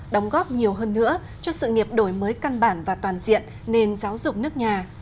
đóng góp nhiều hơn nữa cho sự nghiệp đổi mới căn bản và toàn diện nền giáo dục nước nhà